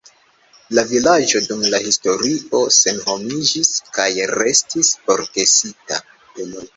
La vilaĝo dum la historio senhomiĝis kaj restis forgesita.